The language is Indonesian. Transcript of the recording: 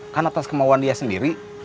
kan atas kemauan dia sendiri